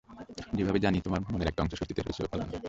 যেভাবে জানি, তোমার মনের একটা অংশ স্বস্তিতেই রয়েছে ও পালানোয়।